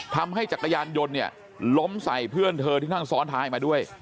จักรยานยนต์เนี่ยล้มใส่เพื่อนเธอที่นั่งซ้อนท้ายมาด้วย